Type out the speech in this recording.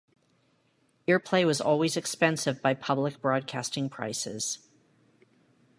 Earplay was always expensive by public broadcasting prices.